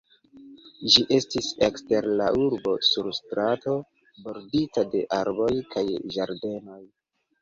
Ĝi estis ekster la urbo sur strato bordita de arboj kaj ĝardenoj.